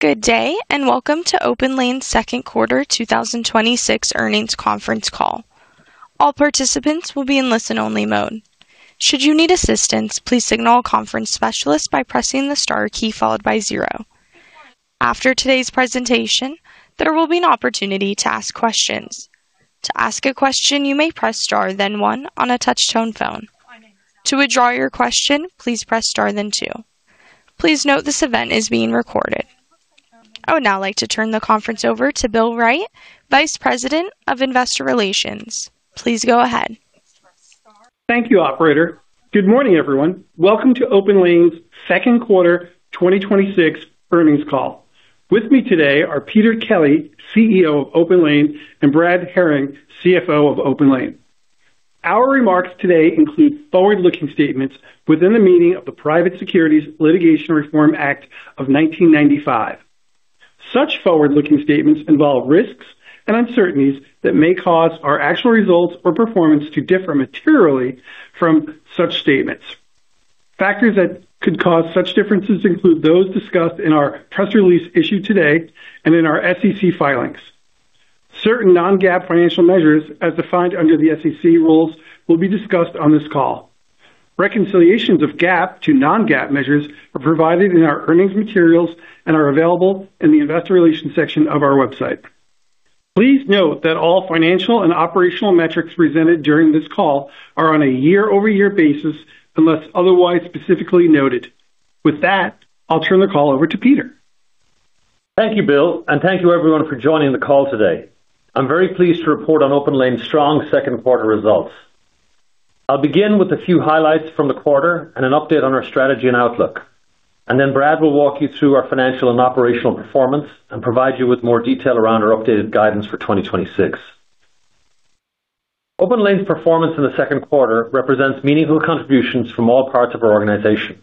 Good day, welcome to OPENLANE's second quarter 2026 earnings conference call. All participants will be in listen-only mode. Should you need assistance, please signal a conference specialist by pressing the star key followed by zero. After today's presentation, there will be an opportunity to ask questions. To ask a question, you may press star then one on a touch-tone phone. To withdraw your question, please press star then two. Please note this event is being recorded. I would now like to turn the conference over to Bill Wright, Vice President of Investor Relations. Please go ahead. Thank you, operator. Good morning, everyone. Welcome to OPENLANE's second quarter 2026 earnings call. With me today are Peter Kelly, CEO of OPENLANE, and Brad Herring, CFO of OPENLANE. Our remarks today include forward-looking statements within the meaning of the Private Securities Litigation Reform Act of 1995. Such forward-looking statements involve risks and uncertainties that may cause our actual results or performance to differ materially from such statements. Factors that could cause such differences include those discussed in our press release issued today and in our SEC filings. Certain non-GAAP financial measures, as defined under the SEC rules, will be discussed on this call. Reconciliations of GAAP to non-GAAP measures are provided in our earnings materials and are available in the investor relations section of our website. Please note that all financial and operational metrics presented during this call are on a year-over-year basis unless otherwise specifically noted. With that, I'll turn the call over to Peter. Thank you, Bill. Thank you everyone for joining the call today. I'm very pleased to report on OPENLANE's strong second quarter results. I'll begin with a few highlights from the quarter and an update on our strategy and outlook, and then Brad will walk you through our financial and operational performance and provide you with more detail around our updated guidance for 2026. OPENLANE's performance in the second quarter represents meaningful contributions from all parts of our organization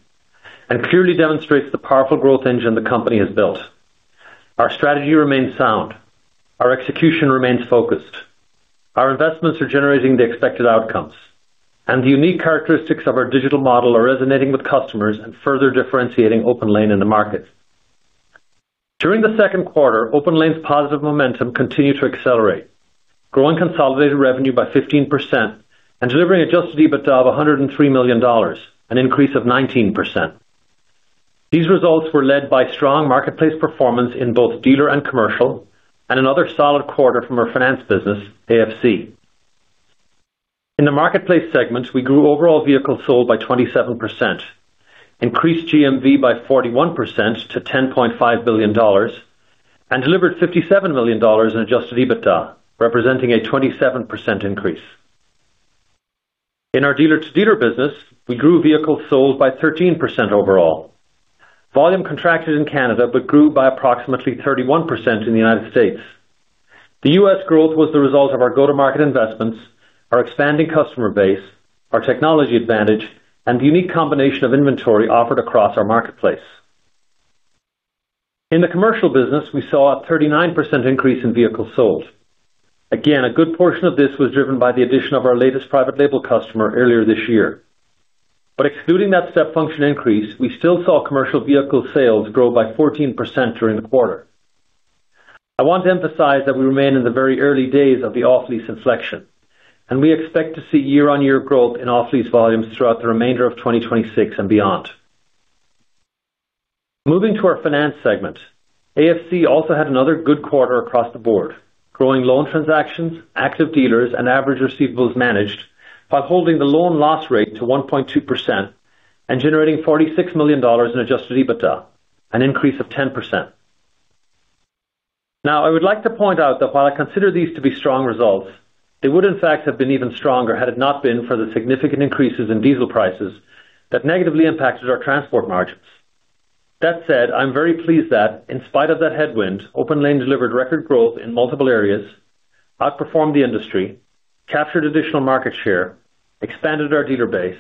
and clearly demonstrates the powerful growth engine the company has built. Our strategy remains sound. Our execution remains focused. Our investments are generating the expected outcomes, and the unique characteristics of our digital model are resonating with customers and further differentiating OPENLANE in the market. During the second quarter, OPENLANE's positive momentum continued to accelerate, growing consolidated revenue by 15% and delivering adjusted EBITDA of $103 million, an increase of 19%. These results were led by strong marketplace performance in both dealer and commercial and another solid quarter from our finance business, AFC. In the marketplace segment, we grew overall vehicles sold by 27%, increased GMV by 41% to $10.5 billion, and delivered $57 million in adjusted EBITDA, representing a 27% increase. In our dealer-to-dealer business, we grew vehicles sold by 13% overall. Volume contracted in Canada but grew by approximately 31% in the United States. The U.S. growth was the result of our go-to-market investments, our expanding customer base, our technology advantage, and the unique combination of inventory offered across our marketplace. In the commercial business, we saw a 39% increase in vehicles sold. Again, a good portion of this was driven by the addition of our latest private label customer earlier this year. Excluding that step function increase, we still saw commercial vehicle sales grow by 14% during the quarter. I want to emphasize that we remain in the very early days of the off-lease inflection, and we expect to see year-on-year growth in off-lease volumes throughout the remainder of 2026 and beyond. Moving to our finance segment. AFC also had another good quarter across the board, growing loan transactions, active dealers, and average receivables managed while holding the loan loss rate to 1.2% and generating $46 million in adjusted EBITDA, an increase of 10%. I would like to point out that while I consider these to be strong results, they would in fact have been even stronger had it not been for the significant increases in diesel prices that negatively impacted our transport margins. That said, I'm very pleased that in spite of that headwind, OPENLANE delivered record growth in multiple areas, outperformed the industry, captured additional market share, expanded our dealer base,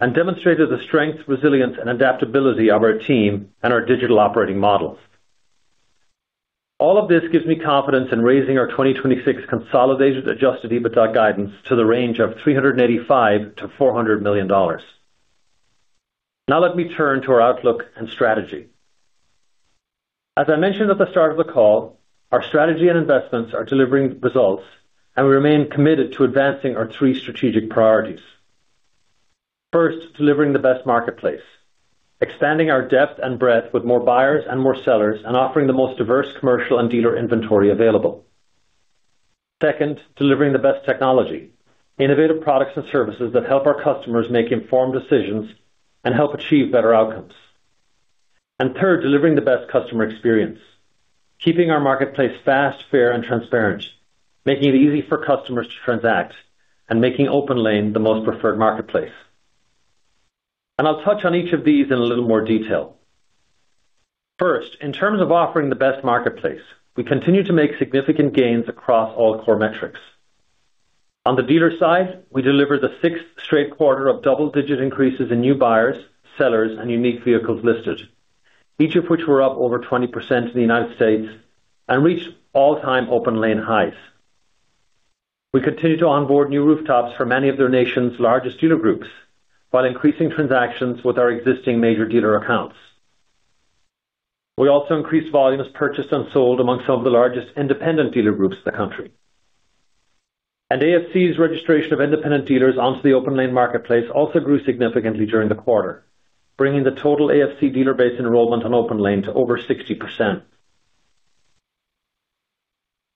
and demonstrated the strength, resilience, and adaptability of our team and our digital operating models. All of this gives me confidence in raising our 2026 consolidated adjusted EBITDA guidance to the range of $385 million-$400 million. Let me turn to our outlook and strategy. As I mentioned at the start of the call, our strategy and investments are delivering results, and we remain committed to advancing our three strategic priorities. First, delivering the best marketplace, expanding our depth and breadth with more buyers and more sellers, and offering the most diverse commercial and dealer inventory available. Second, delivering the best technology, innovative products and services that help our customers make informed decisions and help achieve better outcomes. Third, delivering the best customer experience, keeping our marketplace fast, fair, and transparent, making it easy for customers to transact, and making OPENLANE the most preferred marketplace. I'll touch on each of these in a little more detail. First, in terms of offering the best marketplace, we continue to make significant gains across all core metrics. On the dealer side, we delivered the sixth straight quarter of double-digit increases in new buyers, sellers, and unique vehicles listed, each of which were up over 20% in the United States and reached all-time OPENLANE highs. We continue to onboard new rooftops for many of the nation's largest dealer groups, while increasing transactions with our existing major dealer accounts. We also increased volumes purchased and sold among some of the largest independent dealer groups in the country. AFC's registration of independent dealers onto the OPENLANE marketplace also grew significantly during the quarter, bringing the total AFC dealer base enrollment on OPENLANE to over 60%.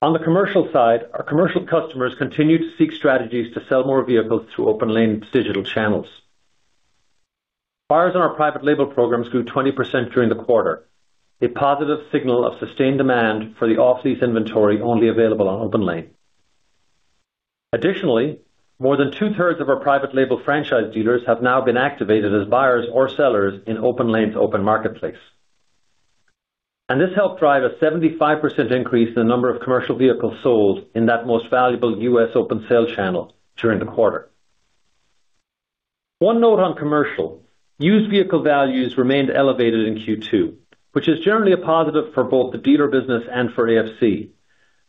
On the commercial side, our commercial customers continue to seek strategies to sell more vehicles through OPENLANE's digital channels. Buyers on our private label programs grew 20% during the quarter, a positive signal of sustained demand for the off-lease inventory only available on OPENLANE. Additionally, more than 2/3 of our private label franchise dealers have now been activated as buyers or sellers in OPENLANE's open marketplace. This helped drive a 75% increase in the number of commercial vehicles sold in that most valuable U.S. open sale channel during the quarter. One note on commercial, used vehicle values remained elevated in Q2, which is generally a positive for both the dealer business and for AFC.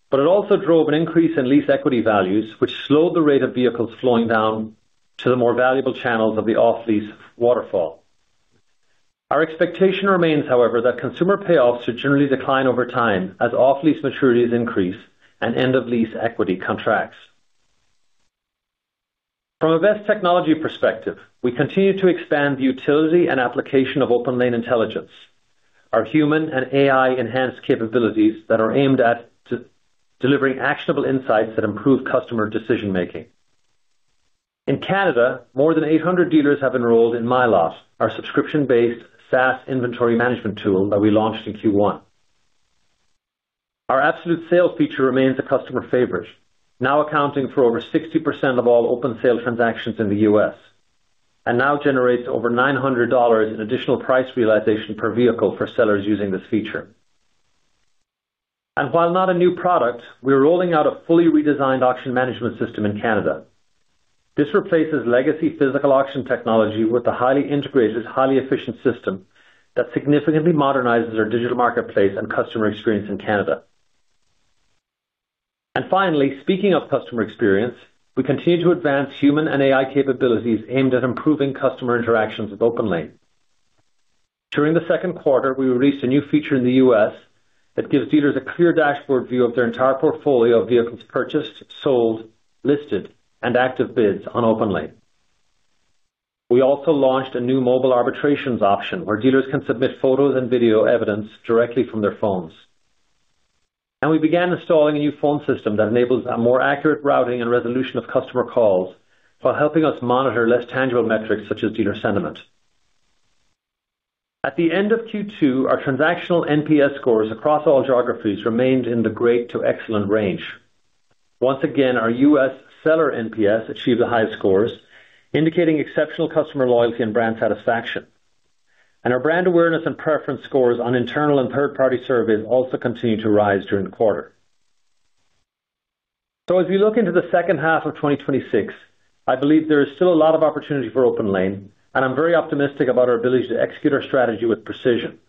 It also drove an increase in lease equity values, which slowed the rate of vehicles flowing down to the more valuable channels of the off-lease waterfall. Our expectation remains, however, that consumer payoffs should generally decline over time as off-lease maturities increase and end-of-lease equity contracts. From a best technology perspective, we continue to expand the utility and application of OPENLANE Intelligence, our human and AI-enhanced capabilities that are aimed at delivering actionable insights that improve customer decision-making. In Canada, more than 800 dealers have enrolled in MyLot, our subscription-based SaaS inventory management tool that we launched in Q1. Our Absolute Sales feature remains a customer favorite, now accounting for over 60% of all open sale transactions in the U.S., and now generates over $900 in additional price realization per vehicle for sellers using this feature. While not a new product, we're rolling out a fully redesigned auction management system in Canada. This replaces legacy physical auction technology with a highly integrated, highly efficient system that significantly modernizes our digital marketplace and customer experience in Canada. Finally, speaking of customer experience, we continue to advance human and AI capabilities aimed at improving customer interactions with OPENLANE. During the second quarter, we released a new feature in the U.S. that gives dealers a clear dashboard view of their entire portfolio of vehicles purchased, sold, listed, and active bids on OPENLANE. We also launched a new mobile arbitrations option where dealers can submit photos and video evidence directly from their phones. We began installing a new phone system that enables a more accurate routing and resolution of customer calls, while helping us monitor less tangible metrics such as dealer sentiment. At the end of Q2, our transactional NPS scores across all geographies remained in the great to excellent range. Once again, our U.S. seller NPS achieved the highest scores, indicating exceptional customer loyalty and brand satisfaction. Our brand awareness and preference scores on internal and third-party surveys also continued to rise during the quarter. As we look into the second half of 2026, I believe there is still a lot of opportunity for OPENLANE, and I'm very optimistic about our ability to execute our strategy with precision.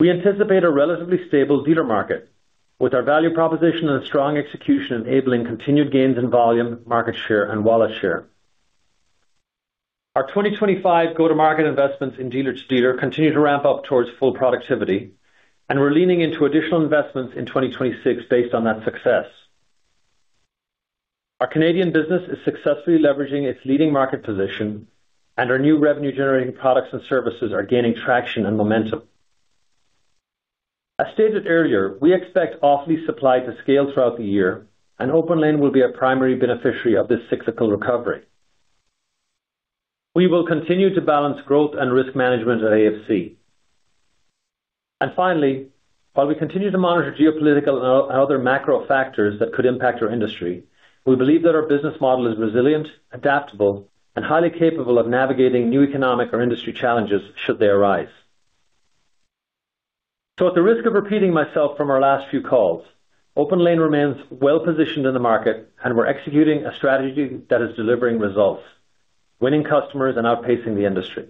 We anticipate a relatively stable dealer market with our value proposition and a strong execution enabling continued gains in volume, market share, and wallet share. Our 2025 go-to-market investments in dealer to dealer continue to ramp up towards full productivity, and we're leaning into additional investments in 2026 based on that success. Our Canadian business is successfully leveraging its leading market position, and our new revenue-generating products and services are gaining traction and momentum. As stated earlier, we expect off-lease supply to scale throughout the year, OPENLANE will be a primary beneficiary of this cyclical recovery. We will continue to balance growth and risk management at AFC. Finally, while we continue to monitor geopolitical and other macro factors that could impact our industry, we believe that our business model is resilient, adaptable, and highly capable of navigating new economic or industry challenges should they arise. At the risk of repeating myself from our last few calls, OPENLANE remains well-positioned in the market, and we're executing a strategy that is delivering results, winning customers, and outpacing the industry.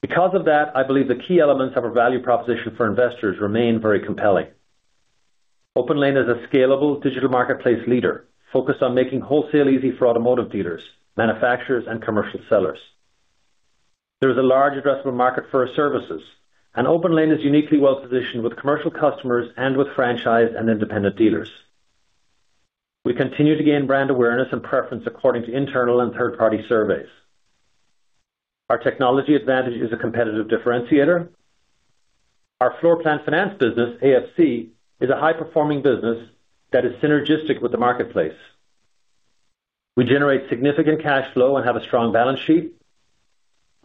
Because of that, I believe the key elements of our value proposition for investors remain very compelling. OPENLANE is a scalable digital marketplace leader focused on making wholesale easy for automotive dealers, manufacturers, and commercial sellers. There is a large addressable market for our services, and OPENLANE is uniquely well-positioned with commercial customers and with franchise and independent dealers. We continue to gain brand awareness and preference according to internal and third-party surveys. Our technology advantage is a competitive differentiator. Our floor plan finance business, AFC, is a high-performing business that is synergistic with the marketplace. We generate significant cash flow and have a strong balance sheet.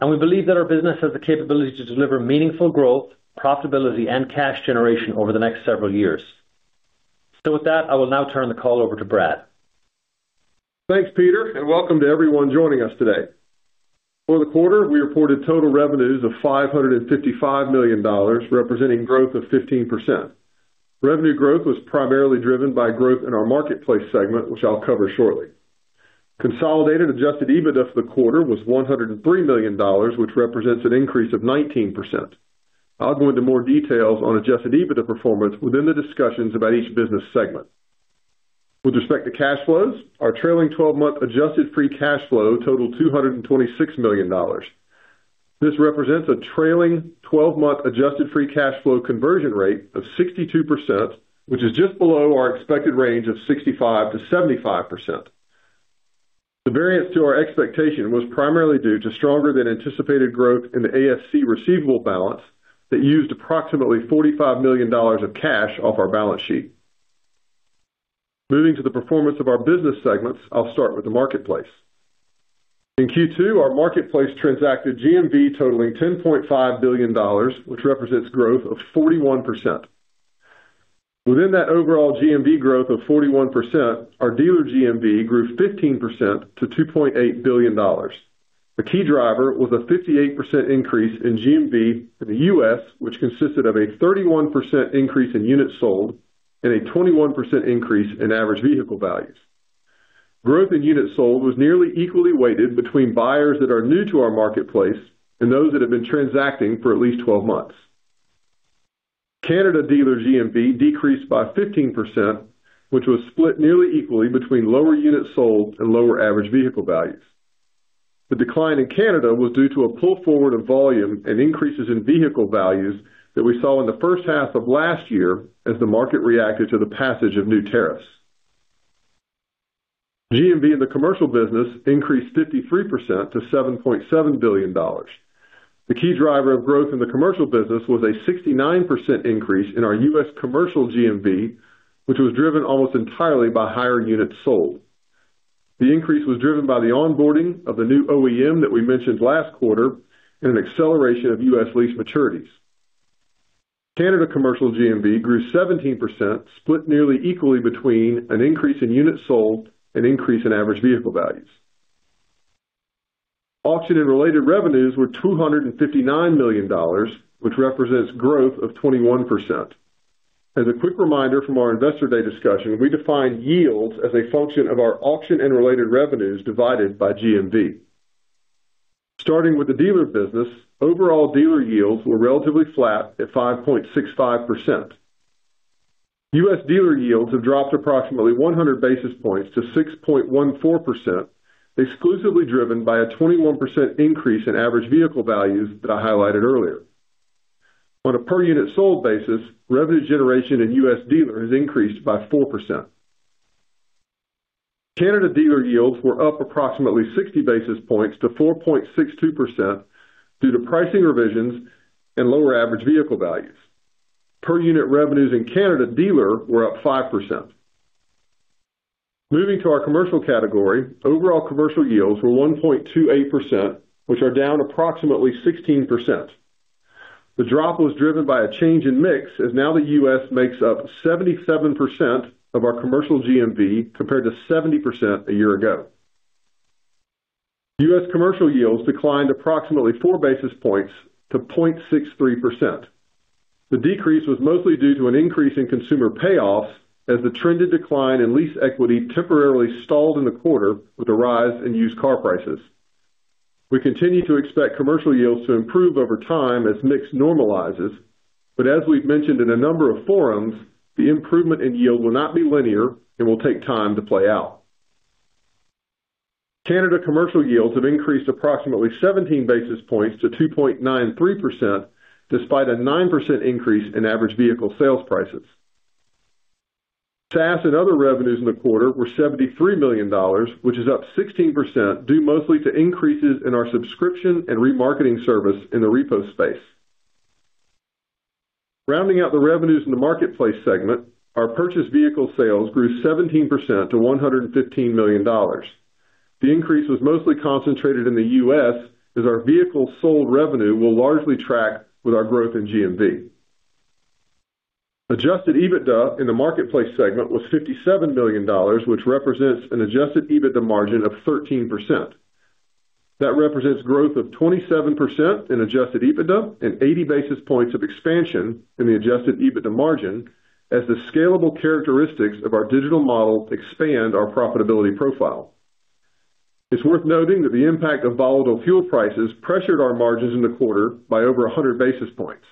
We believe that our business has the capability to deliver meaningful growth, profitability, and cash generation over the next several years. With that, I will now turn the call over to Brad. Thanks, Peter, and welcome to everyone joining us today. For the quarter, we reported total revenues of $555 million, representing growth of 15%. Revenue growth was primarily driven by growth in our marketplace segment, which I'll cover shortly. Consolidated adjusted EBITDA for the quarter was $103 million, which represents an increase of 19%. I'll go into more details on adjusted EBITDA performance within the discussions about each business segment. With respect to cash flows, our trailing 12-month adjusted free cash flow totaled $226 million. This represents a trailing 12-month adjusted free cash flow conversion rate of 62%, which is just below our expected range of 65%-75%. The variance to our expectation was primarily due to stronger than anticipated growth in the AFC receivable balance that used approximately $45 million of cash off our balance sheet. Moving to the performance of our business segments, I'll start with the marketplace. In Q2, our marketplace transacted GMV totaling $10.5 billion, which represents growth of 41%. Within that overall GMV growth of 41%, our dealer GMV grew 15% to $2.8 billion. The key driver was a 58% increase in GMV in the U.S., which consisted of a 31% increase in units sold and a 21% increase in average vehicle values. Growth in units sold was nearly equally weighted between buyers that are new to our marketplace and those that have been transacting for at least 12 months. Canada dealer GMV decreased by 15%, which was split nearly equally between lower units sold and lower average vehicle values. The decline in Canada was due to a pull forward of volume and increases in vehicle values that we saw in the first half of last year as the market reacted to the passage of new tariffs. GMV in the commercial business increased 53% to $7.7 billion. The key driver of growth in the commercial business was a 69% increase in our U.S. commercial GMV, which was driven almost entirely by higher units sold. The increase was driven by the onboarding of the new OEM that we mentioned last quarter and an acceleration of U.S. lease maturities. Canada commercial GMV grew 17%, split nearly equally between an increase in units sold and increase in average vehicle values. Auction and related revenues were $259 million, which represents growth of 21%. As a quick reminder from our Investor Day discussion, we define yields as a function of our auction and related revenues divided by GMV. Starting with the dealer business, overall dealer yields were relatively flat at 5.65%. U.S. dealer yields have dropped approximately 100 basis points to 6.14%, exclusively driven by a 21% increase in average vehicle values that I highlighted earlier. On a per unit sold basis, revenue generation in U.S. dealer has increased by 4%. Canada dealer yields were up approximately 60 basis points to 4.62% due to pricing revisions and lower average vehicle values. Per unit revenues in Canada dealer were up 5%. Moving to our commercial category, overall commercial yields were 1.28%, which are down approximately 16%. The drop was driven by a change in mix, as now the U.S. makes up 77% of our commercial GMV compared to 70% a year ago. U.S. commercial yields declined approximately 4 basis points to 0.63%. The decrease was mostly due to an increase in consumer payoffs as the trended decline in lease equity temporarily stalled in the quarter with a rise in used car prices. We continue to expect commercial yields to improve over time as mix normalizes. As we've mentioned in a number of forums, the improvement in yield will not be linear and will take time to play out. Canada commercial yields have increased approximately 17 basis points to 2.93%, despite a 9% increase in average vehicle sales prices. SaaS and other revenues in the quarter were $73 million, which is up 16%, due mostly to increases in our subscription and remarketing service in the repo space. Rounding out the revenues in the marketplace segment, our purchased vehicle sales grew 17% to $115 million. The increase was mostly concentrated in the U.S. as our vehicle sold revenue will largely track with our growth in GMV. Adjusted EBITDA in the marketplace segment was $57 million, which represents an adjusted EBITDA margin of 13%. That represents growth of 27% in adjusted EBITDA and 80 basis points of expansion in the adjusted EBITDA margin as the scalable characteristics of our digital model expand our profitability profile. It's worth noting that the impact of volatile fuel prices pressured our margins in the quarter by over 100 basis points.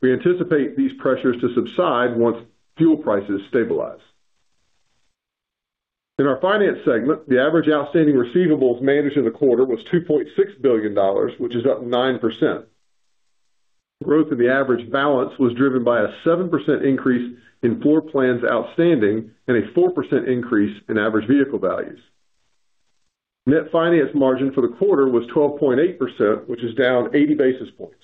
We anticipate these pressures to subside once fuel prices stabilize. In our finance segment, the average outstanding receivables managed in the quarter was $2.6 billion, which is up 9%. Growth in the average balance was driven by a 7% increase in floor plans outstanding and a 4% increase in average vehicle values. Net finance margin for the quarter was 12.8%, which is down 80 basis points.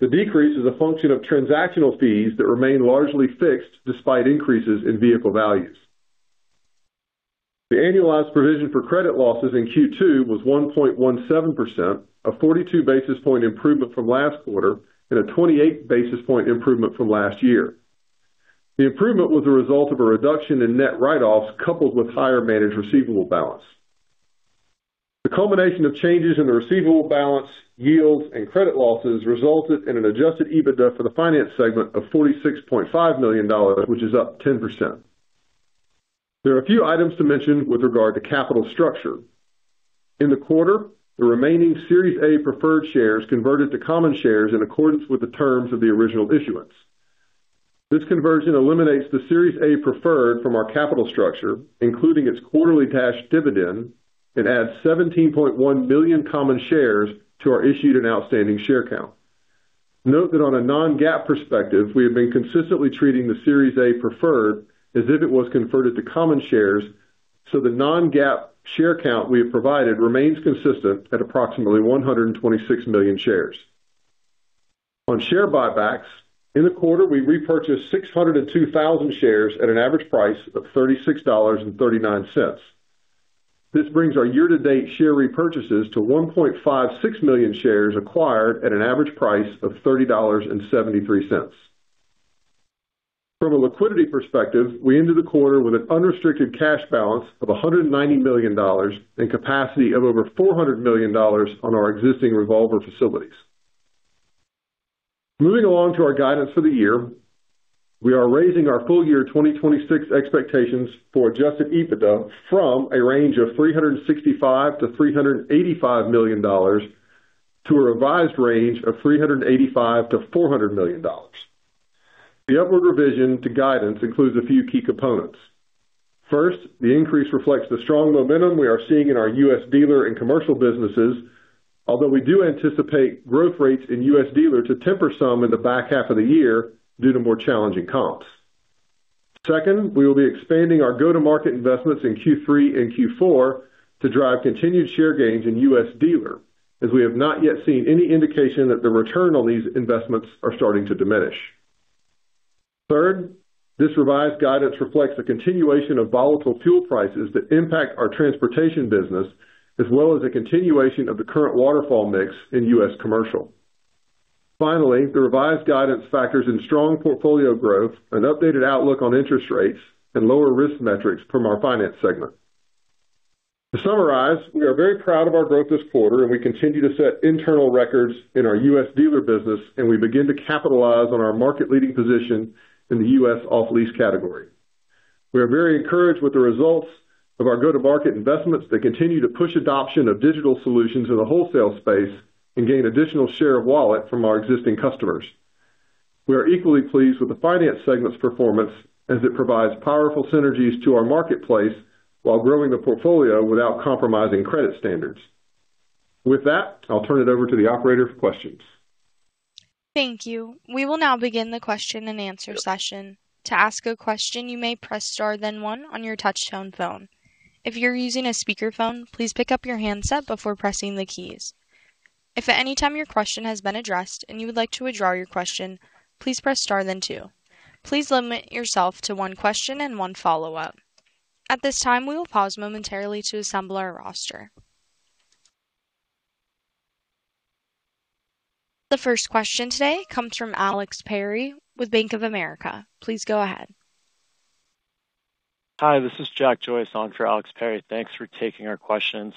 The decrease is a function of transactional fees that remain largely fixed despite increases in vehicle values. The annualized provision for credit losses in Q2 was 1.17%, a 42 basis points improvement from last quarter and a 28 basis points improvement from last year. The improvement was a result of a reduction in net write-offs coupled with higher managed receivable balance. The culmination of changes in the receivable balance, yields, and credit losses resulted in an adjusted EBITDA for the finance segment of $46.5 million, which is up 10%. There are a few items to mention with regard to capital structure. In the quarter, the remaining Series A Preferred Shares converted to common shares in accordance with the terms of the original issuance. This conversion eliminates the Series A Preferred from our capital structure, including its quarterly cash dividend, and adds 17.1 million common shares to our issued and outstanding share count. Note that on a non-GAAP perspective, we have been consistently treating the Series A Preferred as if it was converted to common shares, so the non-GAAP share count we have provided remains consistent at approximately 126 million shares. On share buybacks, in the quarter, we repurchased 602,000 shares at an average price of $36.39. This brings our year-to-date share repurchases to 1.56 million shares acquired at an average price of $30.73. From a liquidity perspective, we ended the quarter with an unrestricted cash balance of $190 million and capacity of over $400 million on our existing revolver facilities. Moving along to our guidance for the year, we are raising our full-year 2026 expectations for adjusted EBITDA from a range of $365 million-$385 million to a revised range of $385 million-$400 million. The upward revision to guidance includes a few key components. First, the increase reflects the strong momentum we are seeing in our U.S. dealer and commercial businesses, although we do anticipate growth rates in U.S. dealer to temper some in the back half of the year due to more challenging comps. Second, we will be expanding our go-to-market investments in Q3 and Q4 to drive continued share gains in U.S. dealer, as we have not yet seen any indication that the return on these investments are starting to diminish. Third, this revised guidance reflects the continuation of volatile fuel prices that impact our transportation business, as well as the continuation of the current waterfall mix in U.S. commercial. Finally, the revised guidance factors in strong portfolio growth and updated outlook on interest rates and lower risk metrics from our finance segment. To summarize, we are very proud of our growth this quarter. We continue to set internal records in our U.S. dealer business, and we begin to capitalize on our market-leading position in the U.S. off-lease category. We are very encouraged with the results of our go-to-market investments that continue to push adoption of digital solutions in the wholesale space and gain additional share of wallet from our existing customers. We are equally pleased with the finance segment's performance, as it provides powerful synergies to our marketplace while growing the portfolio without compromising credit standards. With that, I'll turn it over to the operator for questions. Thank you. We will now begin the question-and-answer session. To ask a question, you may press star then one on your touch-tone phone. If you're using a speakerphone, please pick up your handset before pressing the keys. If at any time your question has been addressed and you would like to withdraw your question, please press star then two. Please limit yourself to one question and one follow-up. At this time, we will pause momentarily to assemble our roster. The first question today comes from Alex Perry with Bank of America. Please go ahead. Hi, this is Jack Joyce on for Alex Perry. Thanks for taking our questions.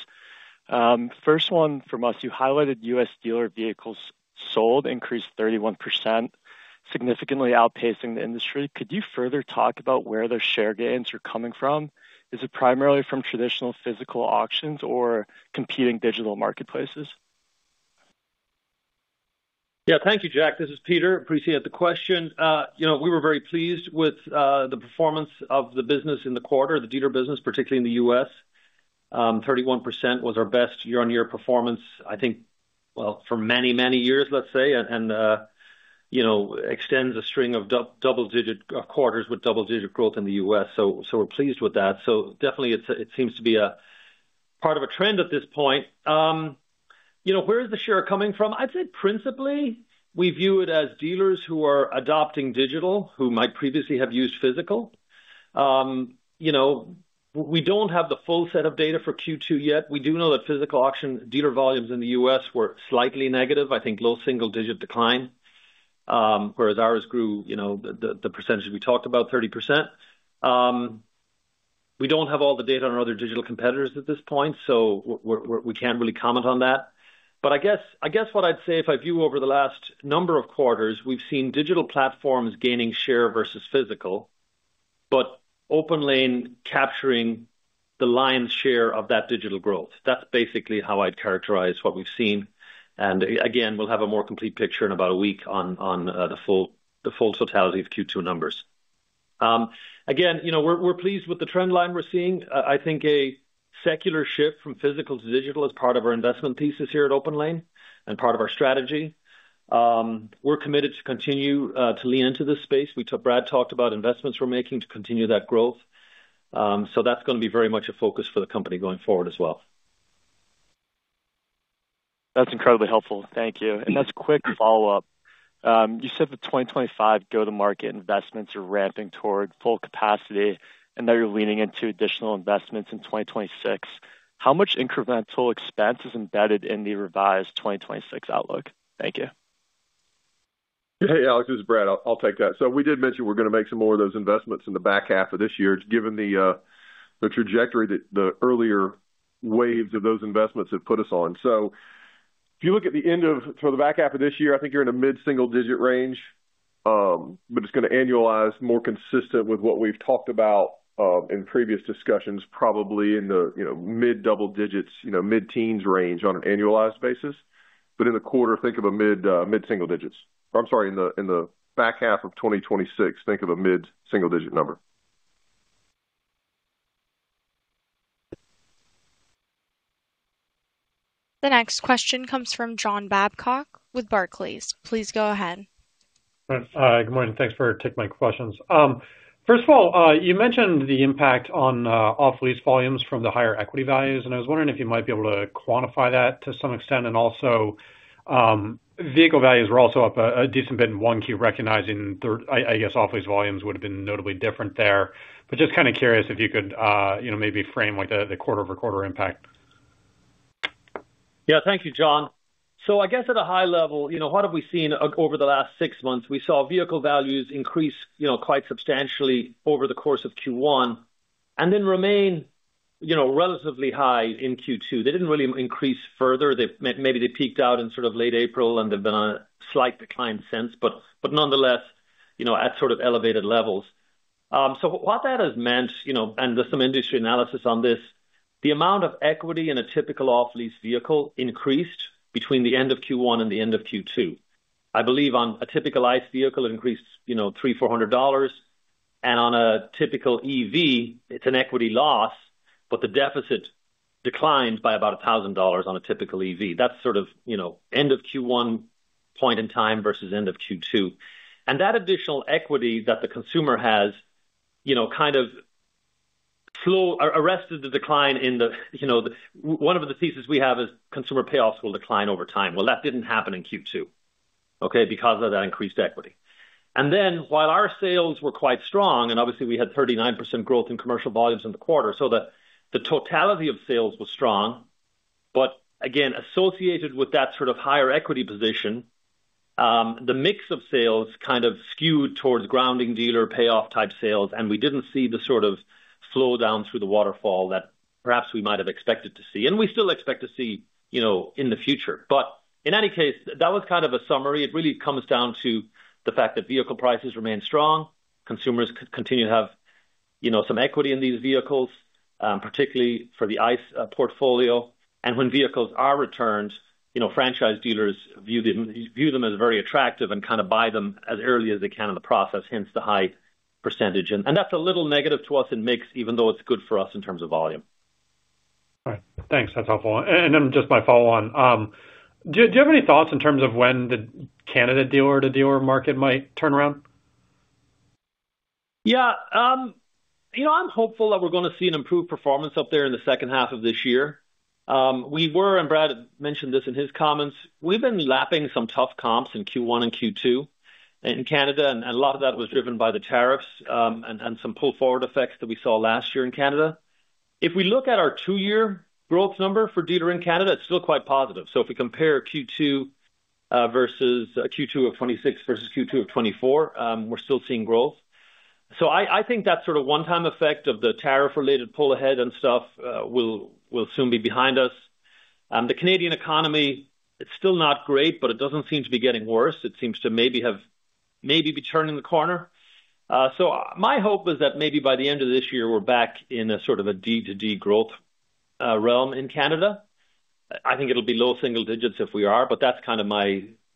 First one from us. You highlighted U.S. dealer vehicles sold increased 31%, significantly outpacing the industry. Could you further talk about where their share gains are coming from? Is it primarily from traditional physical auctions or competing digital marketplaces? Yeah. Thank you, Jack. This is Peter. Appreciate the question. We were very pleased with the performance of the business in the quarter, the dealer business, particularly in the U.S. 31% was our best year-on-year performance, I think for many, many years, let's say, and extends a string of quarters with double-digit growth in the U.S., so we're pleased with that. Definitely it seems to be a part of a trend at this point. Where is the share coming from? I'd say principally, we view it as dealers who are adopting digital who might previously have used physical. We don't have the full set of data for Q2 yet. We do know that physical auction dealer volumes in the U.S. were slightly negative. I think low single-digit decline, whereas ours grew the percentage we talked about, 30%. We don't have all the data on our other digital competitors at this point, so we can't really comment on that. I guess what I'd say, if I view over the last number of quarters, we've seen digital platforms gaining share versus physical, but OPENLANE capturing the lion's share of that digital growth. That's basically how I'd characterize what we've seen. Again, we'll have a more complete picture in about a week on the full totality of Q2 numbers. Again, we're pleased with the trend line we're seeing. I think a secular shift from physical to digital is part of our investment thesis here at OPENLANE, and part of our strategy. We're committed to continue to lean into this space. Brad talked about investments we're making to continue that growth. That's going to be very much a focus for the company going forward as well. That's incredibly helpful. Thank you. Just quick follow-up. You said the 2025 go-to-market investments are ramping toward full capacity and that you're leaning into additional investments in 2026. How much incremental expense is embedded in the revised 2026 outlook? Thank you. Hey, Alex, this is Brad. I'll take that. We did mention we're going to make some more of those investments in the back half of this year, given the trajectory that the earlier waves of those investments have put us on. If you look at the end of the back half of this year, I think you're in a mid-single-digit range. It's going to annualize more consistent with what we've talked about in previous discussions, probably in the mid-double digits, mid-teens range on an annualized basis. In the quarter, think of a mid-single digits. I'm sorry, in the back half of 2026, think of a mid-single-digit number. The next question comes from John Babcock with Barclays. Please go ahead. Good morning. Thanks for taking my questions. First of all, you mentioned the impact on off-lease volumes from the higher equity values, I was wondering if you might be able to quantify that to some extent? Also, vehicle values were also up a decent bit in 1Q, recognizing, I guess off-lease volumes would have been notably different there. Just curious if you could maybe frame the quarter-over-quarter impact? Yeah. Thank you, John. I guess at a high level, what have we seen over the last six months? We saw vehicle values increase quite substantially over the course of Q1, and then remain relatively high in Q2. They didn't really increase further. Maybe they peaked out in late April, and they've been on a slight decline since. Nonetheless, at sort of elevated levels. What that has meant, and there's some industry analysis on this, the amount of equity in a typical off-lease vehicle increased between the end of Q1 and the end of Q2. I believe on a typical ICE vehicle, it increased $300-$400. On a typical EV, it's an equity loss, but the deficit declined by about $1,000 on a typical EV. That's sort of end-of-Q1 point in time versus end of Q2. That additional equity that the consumer has arrested the decline in one of the pieces we have is consumer payoffs will decline over time. Well, that didn't happen in Q2, okay, because of that increased equity. While our sales were quite strong, and obviously we had 39% growth in commercial volumes in the quarter, the totality of sales was strong. Again, associated with that sort of higher equity position, the mix of sales kind of skewed towards grounding dealer payoff type sales. We didn't see the sort of flow down through the waterfall that perhaps we might have expected to see, and we still expect to see in the future. In any case, that was kind of a summary. It really comes down to the fact that vehicle prices remain strong. Consumers continue to have some equity in these vehicles, particularly for the ICE portfolio. When vehicles are returned, franchise dealers view them as very attractive and kind of buy them as early as they can in the process, hence the high percentage. That's a little negative to us in mix, even though it's good for us in terms of volume. All right. Thanks. That's helpful. Just my follow-on. Do you have any thoughts in terms of when the Canada dealer-to-dealer market might turn around? Yeah. I'm hopeful that we're going to see an improved performance up there in the second half of this year. Brad mentioned this in his comments. We've been lapping some tough comps in Q1 and Q2 in Canada. A lot of that was driven by the tariffs, and some pull-forward effects that we saw last year in Canada. If we look at our two-year growth number for dealer in Canada, it's still quite positive. If we compare Q2 of 2026 versus Q2 of 2024, we're still seeing growth. I think that sort of one-time effect of the tariff-related pull ahead and stuff will soon be behind us. The Canadian economy, it's still not great, but it doesn't seem to be getting worse. It seems to maybe be turning the corner. My hope is that maybe by the end of this year, we're back in a sort of a D2D growth realm in Canada. I think it'll be low-single digits if we are, but that's kind of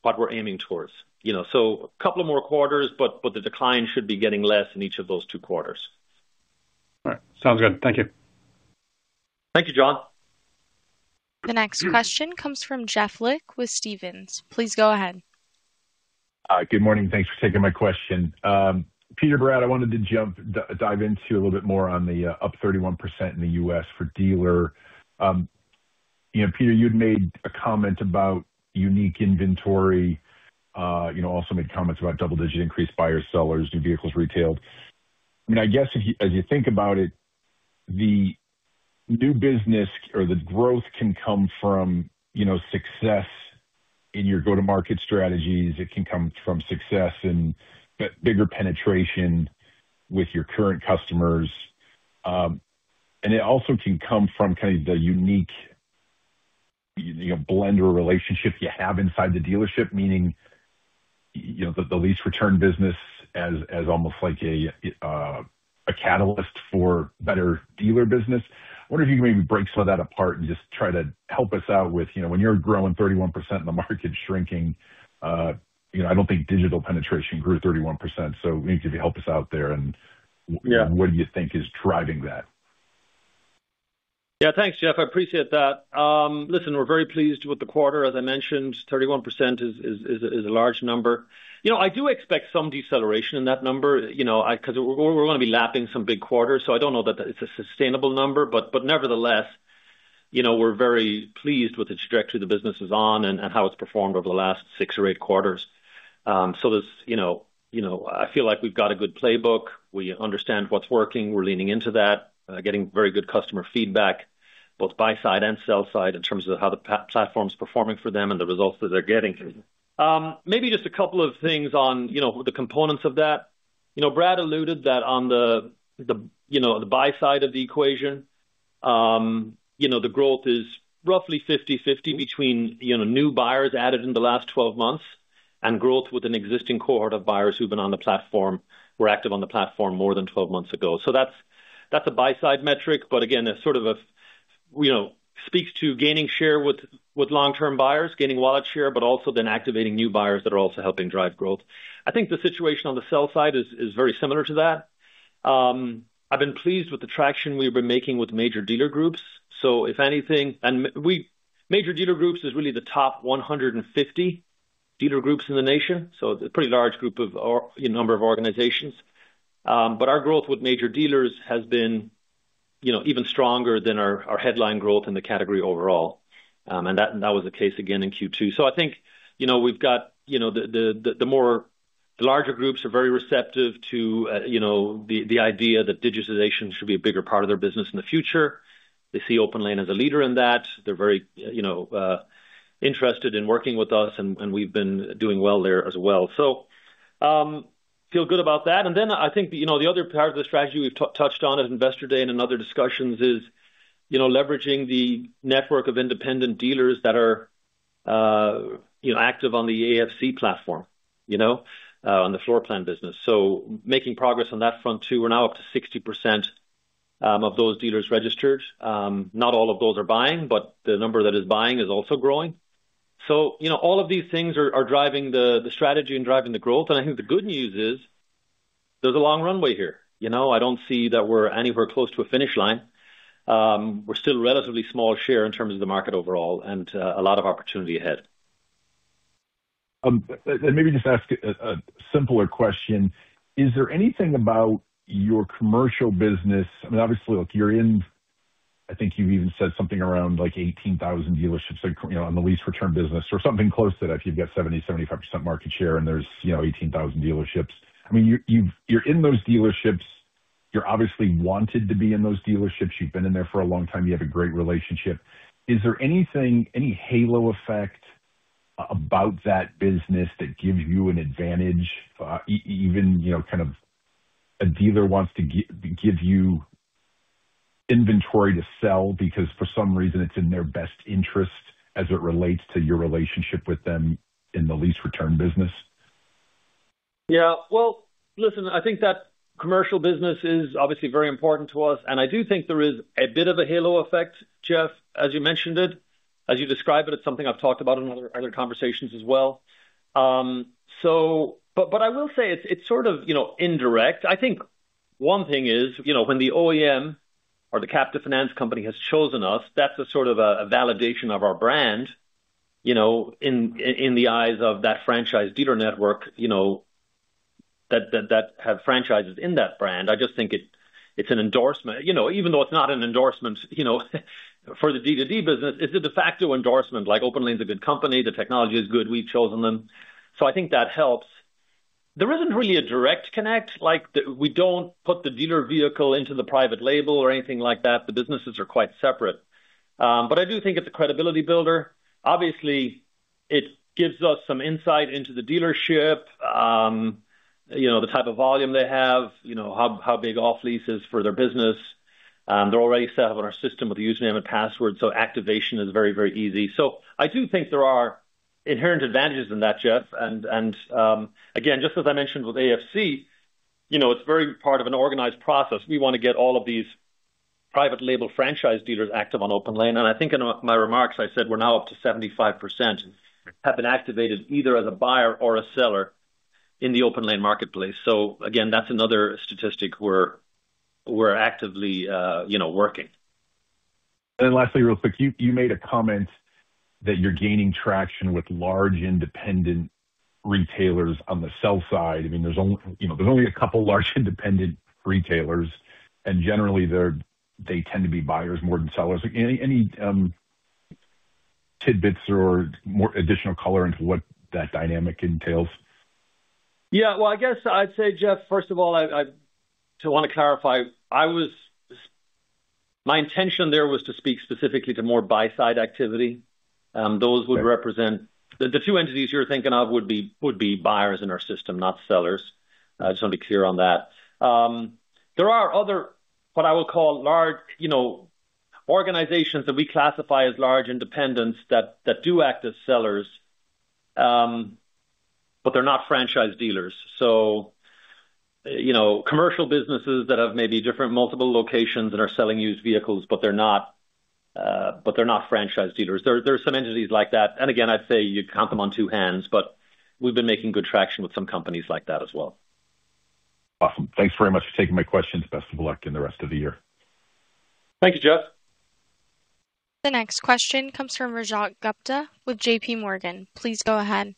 what we're aiming towards. A couple of more quarters, but the decline should be getting less in each of those two quarters. All right. Sounds good. Thank you. Thank you, John. The next question comes from Jeff Lick with Stephens. Please go ahead. Good morning. Thanks for taking my question. Peter, Brad, I wanted to dive into a little bit more on the up 31% in the U.S. for dealer. Peter, you'd made a comment about unique inventory, also made comments about double-digit increase buyers, sellers, new vehicles retailed. I guess as you think about it, the new business or the growth can come from success in your go-to-market strategies, it can come from success in bigger penetration with your current customers. It also can come from kind of the unique blend or relationship you have inside the dealership, meaning, the lease return business as almost like a catalyst for better dealer business. I wonder if you can maybe break some of that apart and just try to help us out with when you're growing 31% and the market's shrinking, I don't think digital penetration grew 31%, maybe if you help us out there-- Yeah. -- and what do you think is driving that? Thanks, Jeff. I appreciate that. Listen, we're very pleased with the quarter. As I mentioned, 31% is a large number. I do expect some deceleration in that number, because we're going to be lapping some big quarters. I don't know that it's a sustainable number. Nevertheless, we're very pleased with the trajectory the business is on and how it's performed over the last six or eight quarters. I feel like we've got a good playbook. We understand what's working. We're leaning into that, getting very good customer feedback, both buy side and sell side, in terms of how the platform is performing for them and the results that they're getting. Maybe just a couple of things on the components of that. Brad alluded that on the buy side of the equation, the growth is roughly 50/50 between new buyers added in the last 12 months and growth with an existing cohort of buyers who've been on the platform, were active on the platform more than 12 months ago. That's a buy-side metric. Again, sort of speaks to gaining share with long-term buyers, gaining wallet share, but also activating new buyers that are also helping drive growth. I think the situation on the sell side is very similar to that. I've been pleased with the traction we've been making with major dealer groups. Major dealer groups is really the top 150 dealer groups in the nation, a pretty large group of number of organizations. Our growth with major dealers has been even stronger than our headline growth in the category overall. That was the case again in Q2. I think the larger groups are very receptive to the idea that digitization should be a bigger part of their business in the future. They see OPENLANE as a leader in that. They're very interested in working with us, and we've been doing well there as well. Feel good about that. I think the other part of the strategy we've touched on at Investor Day and in other discussions is leveraging the network of independent dealers that are active on the AFC platform on the floor plan business. Making progress on that front, too. We're now up to 60% of those dealers registered. Not all of those are buying, but the number that is buying is also growing. All of these things are driving the strategy and driving the growth. I think the good news is there's a long runway here. I don't see that we're anywhere close to a finish line. We're still relatively small share in terms of the market overall and a lot of opportunity ahead. Let me just ask a simpler question. Is there anything about your commercial business, I mean, obviously, look, you're in, I think you've even said something around 18,000 dealerships on the lease return business or something close to that, if you've got 70%-75% market share and there's 18,000 dealerships. You're in those dealerships. You're obviously wanted to be in those dealerships. You've been in there for a long time. You have a great relationship. Is there any halo effect about that business that gives you an advantage? Even a dealer wants to give you inventory to sell because for some reason it's in their best interest as it relates to your relationship with them in the lease return business? Yeah. Well, listen, I think that commercial business is obviously very important to us, and I do think there is a bit of a halo effect, Jeff, as you mentioned it. As you described it's something I've talked about in other conversations as well. I will say it's sort of indirect. I think one thing is when the OEM or the captive finance company has chosen us, that's a sort of a validation of our brand in the eyes of that franchise dealer network that have franchises in that brand. I just think it's an endorsement. Even though it's not an endorsement for the D2D business, it's a de facto endorsement like OPENLANE's a good company. The technology is good, we've chosen them. I think that helps. There isn't really a direct connect. We don't put the dealer vehicle into the private label or anything like that. The businesses are quite separate. I do think it's a credibility builder. Obviously, it gives us some insight into the dealership, the type of volume they have, how big off-lease is for their business. They're already set up on our system with a username and password. Activation is very, very easy. I do think there are inherent advantages in that, Jeff. Again, just as I mentioned with AFC, it's very part of an organized process. We want to get all of these private label franchise dealers active on OPENLANE. I think in my remarks, I said we're now up to 75% have been activated either as a buyer or a seller in the OPENLANE marketplace. Again, that's another statistic we're actively working. Lastly, real quick, you made a comment that you're gaining traction with large independent retailers on the sell side. There's only a couple large independent retailers. Generally, they tend to be buyers more than sellers. Any tidbits or more additional color into what that dynamic entails? I guess I'd say, Jeff, first of all, I want to clarify. My intention there was to speak specifically to more buy-side activity. The two entities you're thinking of would be buyers in our system, not sellers. I just want to be clear on that. There are other what I will call organizations that we classify as large independents that do act as sellers, but they're not franchise dealers. Commercial businesses that have maybe different multiple locations and are selling used vehicles, but they're not franchise dealers. There are some entities like that, and again, I'd say you'd count them on two hands, but we've been making good traction with some companies like that as well. Awesome. Thanks very much for taking my questions. Best of luck in the rest of the year. Thank you, Jeff. The next question comes from Rajat Gupta with JPMorgan. Please go ahead.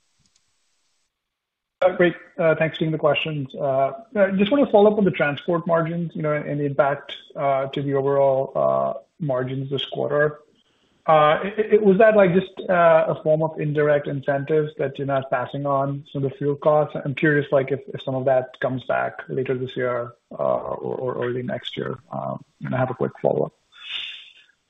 Great. Thanks for taking the questions. I want to follow up on the transport margins and the impact to the overall margins this quarter. Was that just a form of indirect incentives that you're now passing on some of the fuel costs? I'm curious if some of that comes back later this year or early next year. I have a quick follow-up.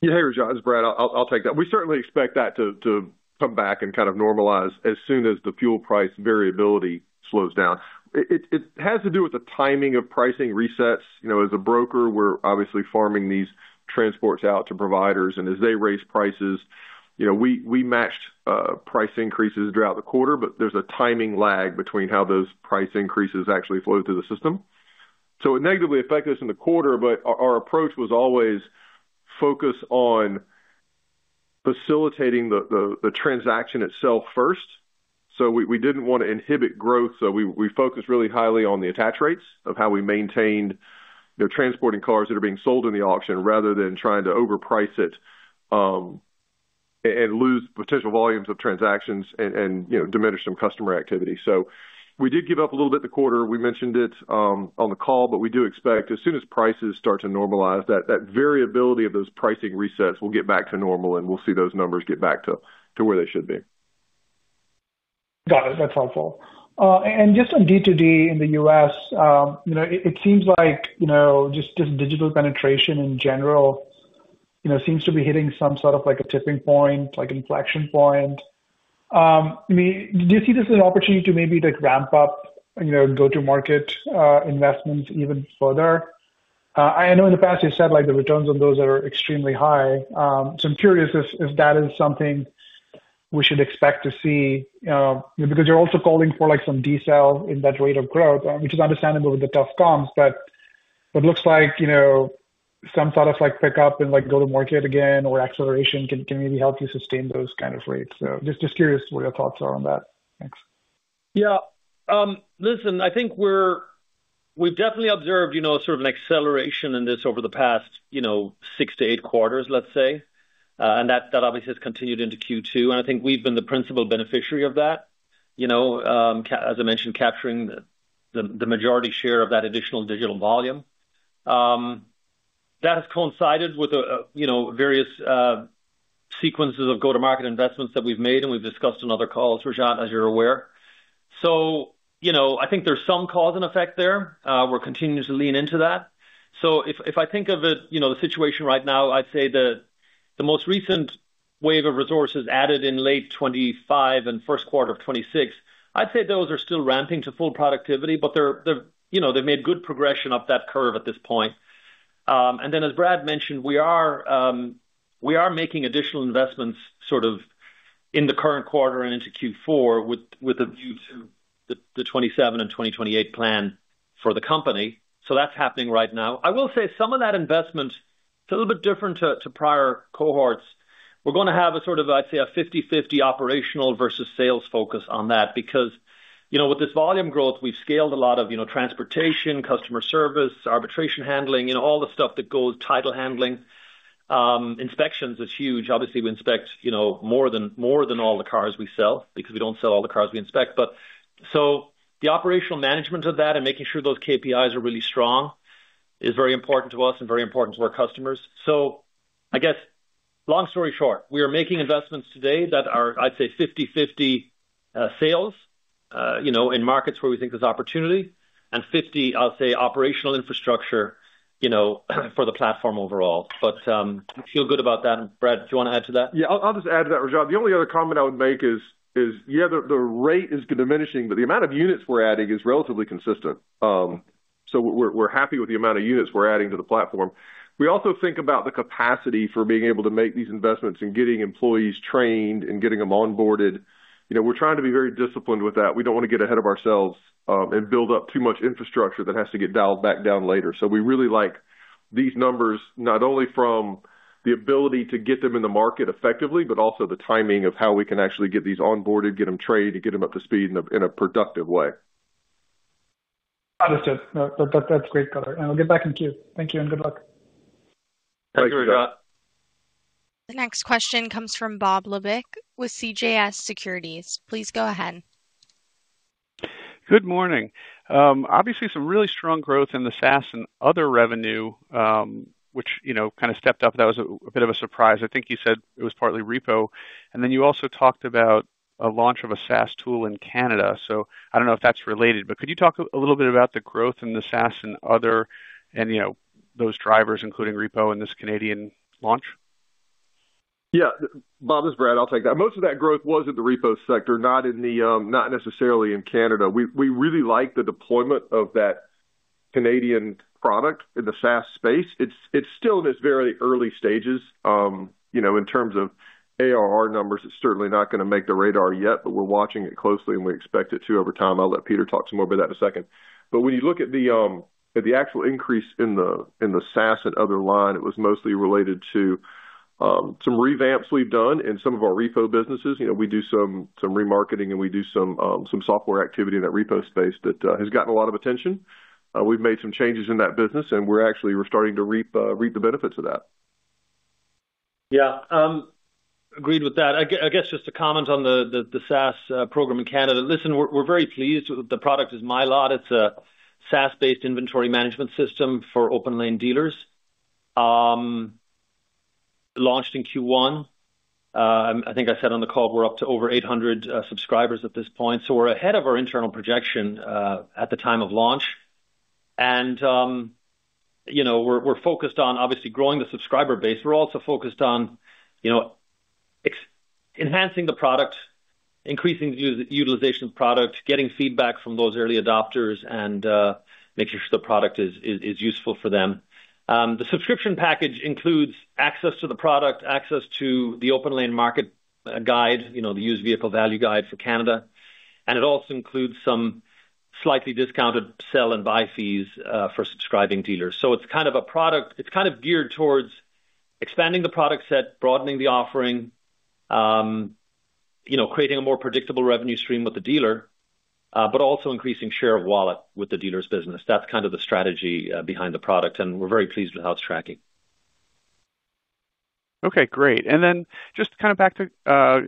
Hey, Rajat. It's Brad, I'll take that. We certainly expect that to come back and kind of normalize as soon as the fuel price variability slows down. It has to do with the timing of pricing resets. As a broker, we're obviously farming these transports out to providers. As they raise prices, we matched price increases throughout the quarter, there's a timing lag between how those price increases actually flow through the system. It negatively affected us in the quarter, our approach was always focused on facilitating the transaction itself first. We didn't want to inhibit growth. We focused really highly on the attach rates, of how we maintained transporting cars that are being sold in the auction rather than trying to overprice it, and lose potential volumes of transactions and diminish some customer activity. We did give up a little bit the quarter. We mentioned it on the call, we do expect as soon as prices start to normalize, that variability of those pricing resets will get back to normal. We'll see those numbers get back to where they should be. Got it. That's helpful. On D2D in the U.S., it seems digital penetration in general seems to be hitting some sort of a tipping point, inflection point. Do you see this as an opportunity to maybe ramp up go-to-market investments even further? I know in the past you said, the returns on those are extremely high. I'm curious if that is something we should expect to see because you're also calling for some decel in that rate of growth, which is understandable with the tough comps. It looks like some sort of pick up in go-to-market again or acceleration can maybe help you sustain those kind of rates. Curious what your thoughts are on that? Thanks. Yeah. Listen, I think we've definitely observed sort of an acceleration in this over the past six to eight quarters, let's say. That obviously has continued into Q2, and I think we've been the principal beneficiary of that. As I mentioned, capturing the majority share of that additional digital volume. That has coincided with various sequences of go-to-market investments that we've made, and we've discussed on other calls, Rajat, as you're aware. I think there's some cause and effect there. We're continuing to lean into that. If I think of it, the situation right now, I'd say the most recent wave of resources added in late 2025 and first quarter of 2026, I'd say those are still ramping to full productivity, but they've made good progression up that curve at this point. As Brad mentioned, we are making additional investments sort of in the current quarter and into Q4 with a view to the 2027 and 2028 plan for the company. That's happening right now. I will say some of that investment, it's a little bit different to prior cohorts. We're going to have a sort of, I'd say, a 50/50 operational versus sales focus on that. Because with this volume growth, we've scaled a lot of transportation, customer service, arbitration handling, all the stuff that goes title handling. Inspections is huge. Obviously, we inspect more than all the cars we sell because we don't sell all the cars we inspect. The operational management of that and making sure those KPIs are really strong is very important to us and very important to our customers. I guess long story short, we are making investments today that are, I'd say, 50/50 sales in markets where we think there's opportunity, and 50% I'll say, operational infrastructure for the platform overall. I feel good about that. Brad, do you want to add to that? Yeah, I'll just add to that, Rajat. The only other comment I would make is, the rate is diminishing, but the amount of units we're adding is relatively consistent. We're happy with the amount of units we're adding to the platform. We also think about the capacity for being able to make these investments and getting employees trained and getting them onboarded. We're trying to be very disciplined with that. We don't want to get ahead of ourselves and build up too much infrastructure that has to get dialed back down later. We really like these numbers, not only from the ability to get them in the market effectively, but also the timing of how we can actually get these onboarded, get them trained, and get them up to speed in a productive way. Understood. No, that's great color. I'll get back in queue. Thank you and good luck. Thank you, Rajat. Thank you. The next question comes from Bob Labick with CJS Securities. Please go ahead. Good morning. Obviously some really strong growth in the SaaS and other revenue, which kind of stepped up. That was a bit of a surprise. I think you said it was partly repo. You also talked about a launch of a SaaS tool in Canada. I don't know if that's related, but could you talk a little bit about the growth in the SaaS and other, and those drivers including repo and this Canadian launch? Yeah. Bob, this is Brad, I'll take that. Most of that growth was in the repo sector, not necessarily in Canada. We really like the deployment of that Canadian product in the SaaS space. It's still in its very early stages. In terms of ARR numbers, it's certainly not going to make the radar yet, but we're watching it closely and we expect it to over time. I'll let Peter talk some more about that in a second. When you look at the actual increase in the SaaS and other line, it was mostly related to some revamps we've done in some of our repo businesses. We do some remarketing and we do some software activity in that repo space that has gotten a lot of attention. We've made some changes in that business, and we're actually starting to reap the benefits of that. Yeah. Agreed with that. I guess just to comment on the SaaS program in Canada. Listen, we're very pleased. The product is MyLot. It's a SaaS-based inventory management system for OPENLANE dealers. Launched in Q1. I think I said on the call we're up to over 800 subscribers at this point. We're ahead of our internal projection at the time of launch. We're focused on obviously growing the subscriber base. We're also focused on enhancing the product, increasing the utilization of the product, getting feedback from those early adopters, and making sure the product is useful for them. The subscription package includes access to the product, access to the OPENLANE Market Guide, the used vehicle value guide for Canada, and it also includes some slightly discounted sell and buy fees for subscribing dealers. It's kind of a product. It's kind of geared towards expanding the product set, broadening the offering, creating a more predictable revenue stream with the dealer, but also increasing share of wallet with the dealer's business. That's kind of the strategy behind the product, and we're very pleased with how it's tracking. Okay, great. Just kind of back to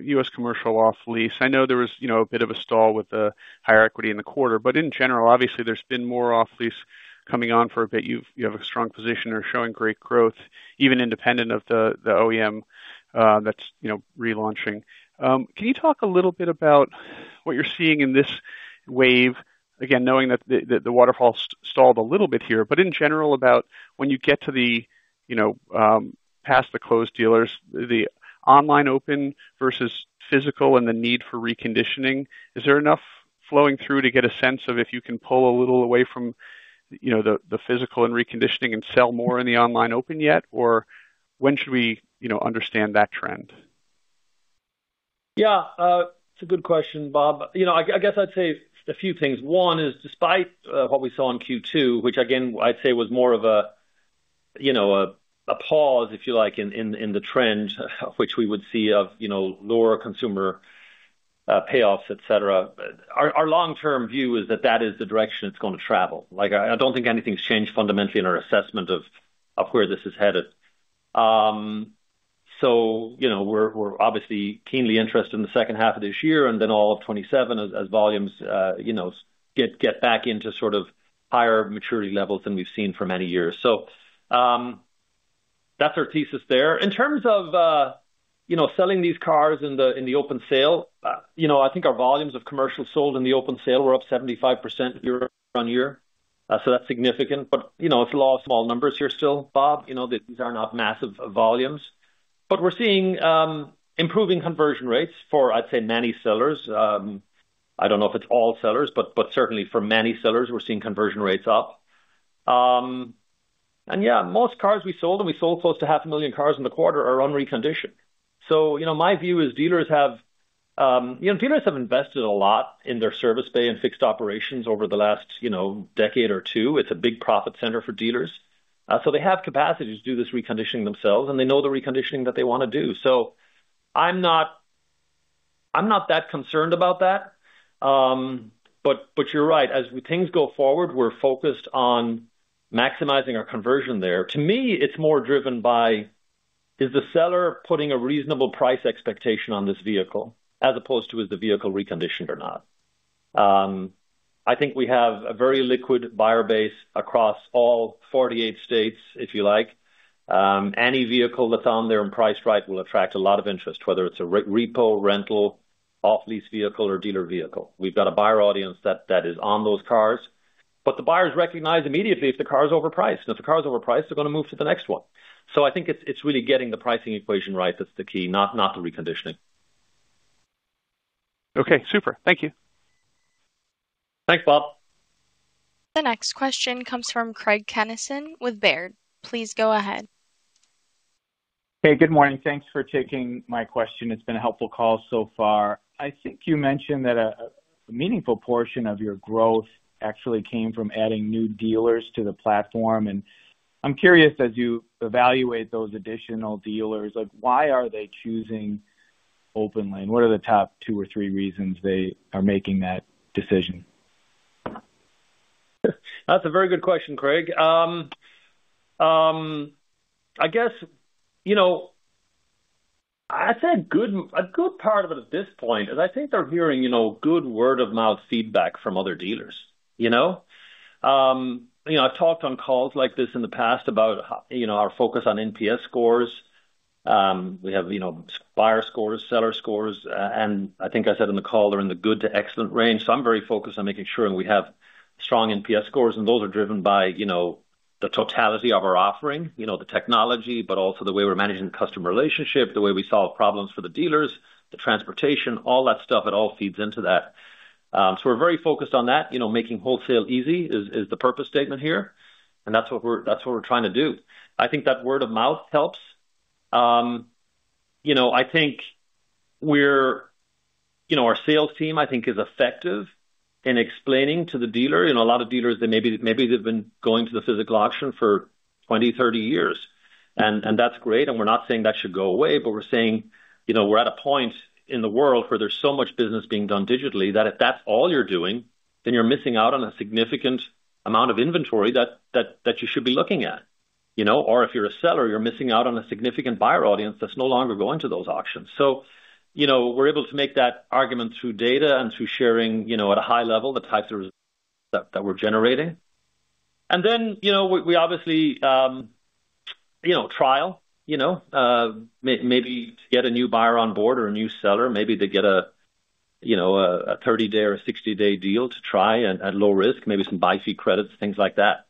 U.S. commercial off-lease. I know there was a bit of a stall with the higher equity in the quarter. In general, obviously, there's been more off-lease coming on for a bit. You have a strong position. You're showing great growth, even independent of the OEM that's relaunching. Can you talk a little bit about what you're seeing in this wave, again, knowing that the waterfall stalled a little bit here. But in general about when you get past the closed dealers, the online open versus physical and the need for reconditioning, is there enough flowing through to get a sense of if you can pull a little away from the physical and reconditioning and sell more in the online open yet? When should we understand that trend? Yeah. It's a good question, Bob. I guess I'd say a few things. One is despite what we saw in Q2, which again, I'd say was more of a pause, if you like, in the trend, which we would see of lower consumer payoffs, et cetera. Our long-term view is that that is the direction it's going to travel. I don't think anything's changed fundamentally in our assessment of where this is headed. We're obviously keenly interested in the second half of this year and then all of 2027 as volumes get back into sort of higher maturity levels than we've seen for many years. That's our thesis there. In terms of selling these cars in the open sale, I think our volumes of commercial sold in the open sale were up 75% year-on-year. That's significant. It's law of small numbers here still, Bob. These are not massive volumes. We're seeing improving conversion rates for, I'd say, many sellers. I don't know if it's all sellers, but certainly for many sellers, we're seeing conversion rates up. Most cars we sold, and we sold close to 500,000 cars in the quarter, are unreconditioned. My view is dealers have invested a lot in their service bay and fixed operations over the last decade or two. It's a big profit center for dealers. They have capacity to do this reconditioning themselves, and they know the reconditioning that they want to do. I'm not that concerned about that. You're right. As things go forward, we're focused on maximizing our conversion there. To me, it's more driven by, is the seller putting a reasonable price expectation on this vehicle as opposed to is the vehicle reconditioned or not? I think we have a very liquid buyer base across all 48 states, if you like. Any vehicle that's on there and priced right will attract a lot of interest, whether it's a repo, rental, off-lease vehicle, or dealer vehicle. We've got a buyer audience that is on those cars. The buyers recognize immediately if the car is overpriced. If the car is overpriced, they're going to move to the next one. I think it's really getting the pricing equation right that's the key, not the reconditioning. Okay, super. Thank you. Thanks, Bob. The next question comes from Craig Kennison with Baird. Please go ahead. Hey, good morning. Thanks for taking my question. It's been a helpful call so far. I think you mentioned that a meaningful portion of your growth actually came from adding new dealers to the platform. I'm curious as you evaluate those additional dealers, why are they choosing OPENLANE? What are the top two or three reasons they are making that decision? That's a very good question, Craig. I guess, I'd say a good part of it at this point is I think they're hearing good word-of-mouth feedback from other dealers. I've talked on calls like this in the past about our focus on NPS scores. We have buyer scores, seller scores, and I think I said in the call they're in the good to excellent range. I'm very focused on making sure we have strong NPS scores, and those are driven by the totality of our offering, the technology, but also the way we're managing the customer relationship, the way we solve problems for the dealers, the transportation, all that stuff. It all feeds into that. We're very focused on that. Making wholesale easy is the purpose statement here, and that's what we're trying to do. I think that word of mouth helps. Our sales team, I think, is effective in explaining to the dealer. A lot of dealers maybe they've been going to the physical auction for 20, 30 years, and that's great. We're not saying that should go away. We're saying we're at a point in the world where there's so much business being done digitally, that if that's all you're doing, then you're missing out on a significant amount of inventory that you should be looking at. If you're a seller, you're missing out on a significant buyer audience that's no longer going to those auctions. We're able to make that argument through data and through sharing at a high level the types of results that we're generating. Trial, maybe to get a new buyer on board or a new seller. Maybe to get a 30-day or a 60-day deal to try at low risk, maybe some buy fee credits. Things like that.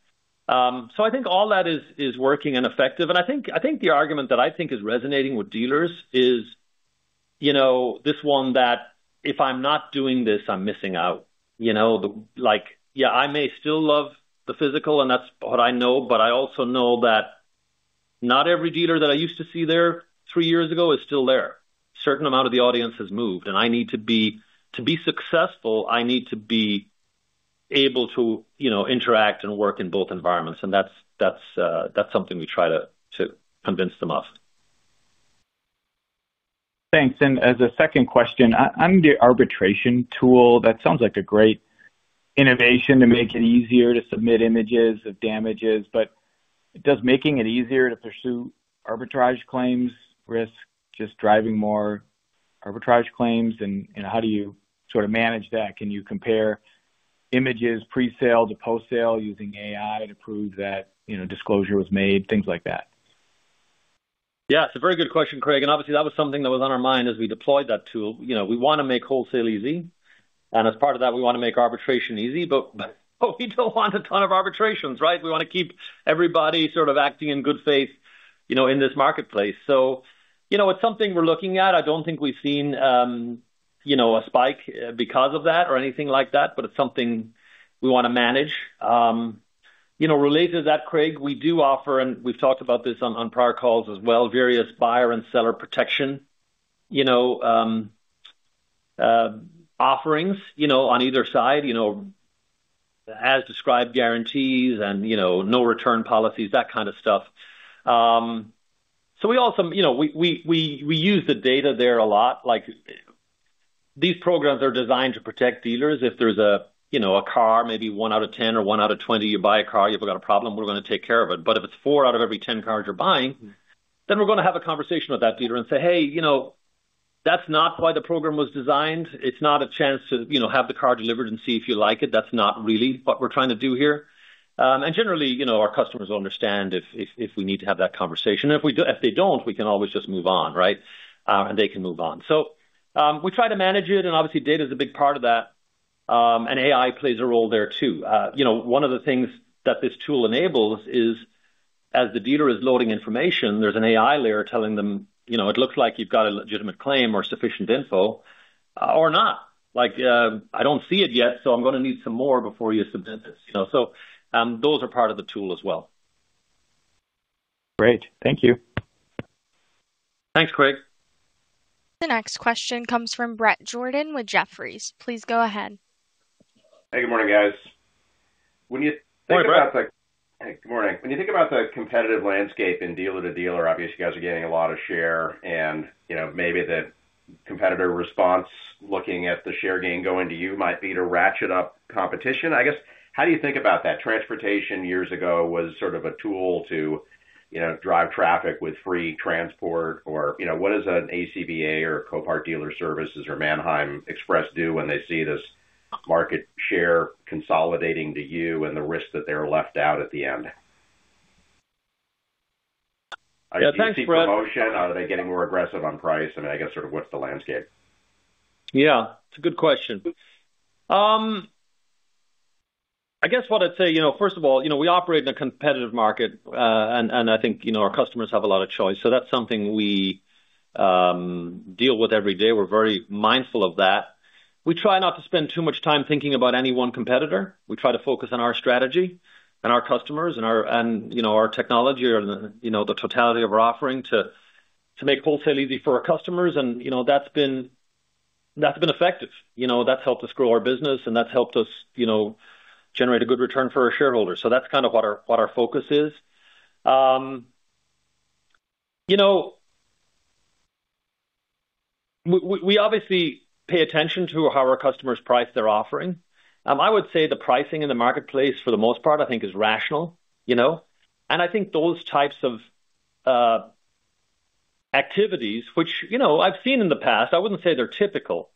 I think all that is working and effective. I think the argument that I think is resonating with dealers is this one that, if I'm not doing this, I'm missing out. Yeah, I may still love the physical, and that's what I know, but I also know that not every dealer that I used to see there three years ago is still there. A certain amount of the audience has moved. To be successful, I need to be able to interact and work in both environments. That's something we try to convince them of. Thanks. As a second question, on the arbitration tool, that sounds like a great innovation to make it easier to submit images of damages. Does making it easier to pursue arbitration claims risk just driving more arbitration claims? How do you sort of manage that? Can you compare images pre-sale to post-sale using AI to prove that disclosure was made, things like that? Yeah. It's a very good question, Craig. Obviously, that was something that was on our mind as we deployed that tool. We want to make wholesale easy. As part of that, we want to make arbitration easy, but we don't want a ton of arbitrations, right? We want to keep everybody sort of acting in good faith in this marketplace. It's something we're looking at. I don't think we've seen a spike because of that or anything like that, but it's something we want to manage. Related to that, Craig, we do offer, and we've talked about this on prior calls as well, various buyer and seller protection offerings on either side, as described guarantees and no return policies, that kind of stuff. We use the data there a lot. These programs are designed to protect dealers. If there's a car, maybe one out of 10 or one out of 20, you buy a car, you've got a problem, we're going to take care of it. If it's four out of every 10 cars you're buying, then we're going to have a conversation with that dealer and say, "Hey, that's not why the program was designed. It's not a chance to have the car delivered and see if you like it. That's not really what we're trying to do here." Generally, our customers will understand if we need to have that conversation. If they don't, we can always just move on, right? They can move on. We try to manage it. Obviously, data's a big part of that. AI plays a role there, too. One of the things that this tool enables is as the dealer is loading information, there's an AI layer telling them, "It looks like you've got a legitimate claim or sufficient info, or not." Like, "I don't see it yet, so I'm going to need some more before you submit this." Those are part of the tool as well. Great. Thank you. Thanks, Craig. The next question comes from Bret Jordan with Jefferies. Please go ahead. Hey, good morning, guys. When you-- Good morning, Bret. Hey, good morning. When you think about the competitive landscape in dealer-to-dealer, obviously, you guys are gaining a lot of share. Maybe the competitor response looking at the share gain going to you might be to ratchet up competition. I guess, how do you think about that? Transportation years ago was sort of a tool to drive traffic with free transport or what does an ACVA or Copart Dealer Services or Manheim Express do when they see this market share consolidating to you and the risk that they're left out at the end? Yeah. Thanks, Bret. Do you see promotion? Are they getting more aggressive on price? I mean, I guess sort of what's the landscape? Yeah. It's a good question. I guess what I'd say, first of all, we operate in a competitive market. I think our customers have a lot of choice, so that's something we deal with every day. We're very mindful of that. We try not to spend too much time thinking about any one competitor. We try to focus on our strategy and our customers and our technology or the totality of our offering to make wholesale easy for our customers. That's been effective. That's helped us grow our business and that's helped us generate a good return for our shareholders. That's kind of what our focus is. We obviously pay attention to how our customers price their offering. I would say the pricing in the marketplace for the most part, I think is rational. I think those types of activities, which I've seen in the past, I wouldn't say they're typical.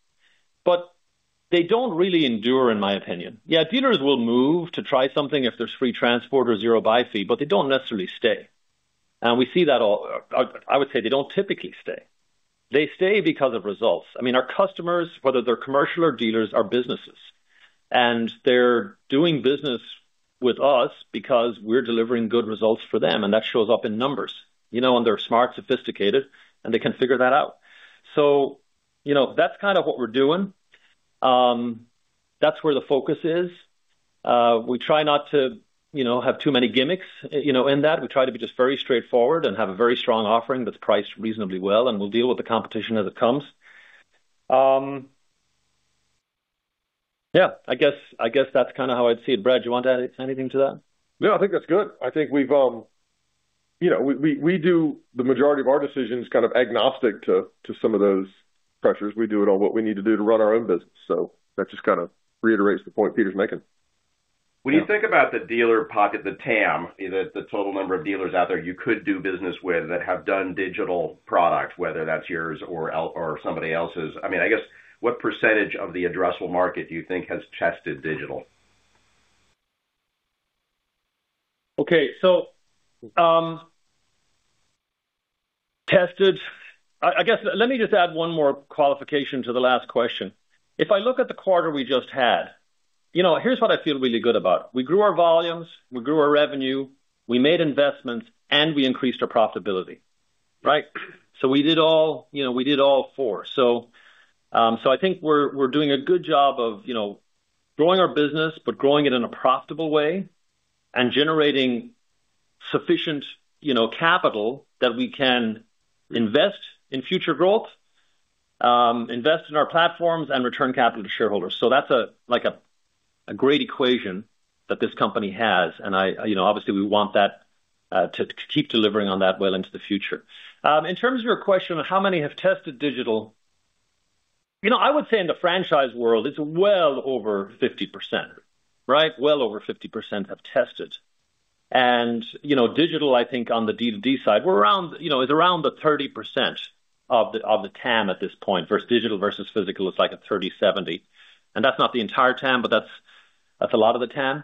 They don't really endure in my opinion. Yeah, dealers will move to try something if there's free transport or zero buy fee, but they don't necessarily stay. I would say they don't typically stay. They stay because of results. I mean, our customers, whether they're commercial or dealers, are businesses. They're doing business with us because we're delivering good results for them, and that shows up in numbers. They're smart, sophisticated. They can figure that out. That's kind of what we're doing. That's where the focus is. We try not to have too many gimmicks in that. We try to be just very straightforward and have a very strong offering that's priced reasonably well, and we'll deal with the competition as it comes. Yeah, I guess that's kind of how I'd see it. Brad, do you want to add anything to that? No, I think that's good. We do the majority of our decisions kind of agnostic to some of those pressures. We do what we need to do to run our own business. That just kind of reiterates the point Peter's making. When you think about the dealer pocket, the TAM, the total number of dealers out there you could do business with that have done digital product, whether that's yours or somebody else's. I mean, I guess what percentage of the addressable market do you think has tested digital? Okay. Tested. I guess, let me just add one more qualification to the last question. If I look at the quarter we just had, here's what I feel really good about. We grew our volumes, we grew our revenue, we made investments, and we increased our profitability. Right? We did all four. I think we're doing a good job of growing our business, but growing it in a profitable way and generating sufficient capital that we can invest in future growth, invest in our platforms, and return capital to shareholders. That's a great equation that this company has, and obviously we want to keep delivering on that well into the future. In terms of your question of how many have tested digital, I would say in the franchise world, it's well over 50%. Right? Well over 50% have tested. Digital, I think on the D2D side, it's around the 30% of the TAM at this point. Digital versus physical is like a 30/70. That's not the entire TAM, but that's a lot of the TAM.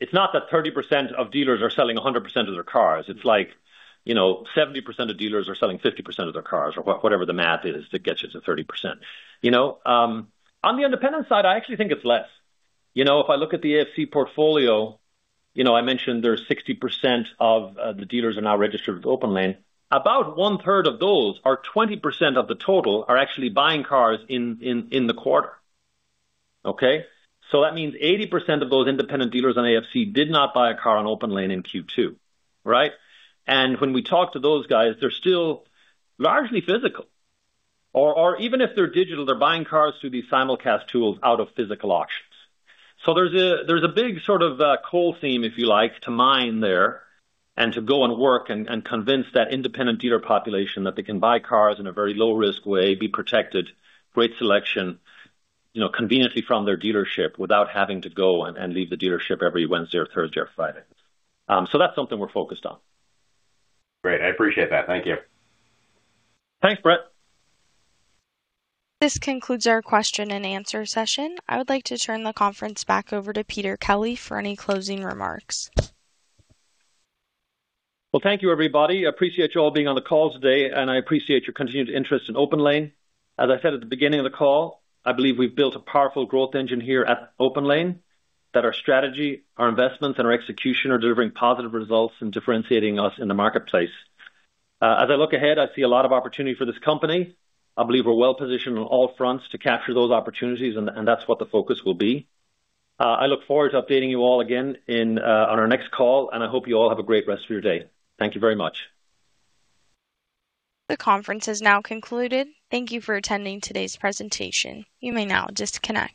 It's not that 30% of dealers are selling 100% of their cars. It's like 70% of dealers are selling 50% of their cars, or whatever the math is that gets you to 30%. On the independent side, I actually think it's less. If I look at the AFC portfolio, I mentioned there's 60% of the dealers are now registered with OPENLANE. About 1/3 of those, or 20% of the total, are actually buying cars in the quarter. Okay? That means 80% of those independent dealers on AFC did not buy a car on OPENLANE in Q2, right? When we talk to those guys, they're still largely physical. Even if they're digital, they're buying cars through these simulcast tools out of physical auctions. There's a big sort of coal seam, if you like, to mine there and to go and work and convince that independent dealer population that they can buy cars in a very low risk way, be protected, great selection, conveniently from their dealership without having to go and leave the dealership every Wednesday or Thursday or Friday. That's something we're focused on. Great. I appreciate that. Thank you. Thanks, Bret. This concludes our question-and-answer session. I would like to turn the conference back over to Peter Kelly for any closing remarks. Well, thank you, everybody. I appreciate you all being on the call today, and I appreciate your continued interest in OPENLANE. As I said at the beginning of the call, I believe we've built a powerful growth engine here at OPENLANE. That our strategy, our investments, and our execution are delivering positive results and differentiating us in the marketplace. As I look ahead, I see a lot of opportunity for this company. I believe we're well positioned on all fronts to capture those opportunities, and that's what the focus will be. I look forward to updating you all again on our next call, and I hope you all have a great rest of your day. Thank you very much. The conference has now concluded. Thank you for attending today's presentation. You may now disconnect.